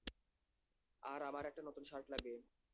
আর আমার একটা নতুন শার্ট লাগবে।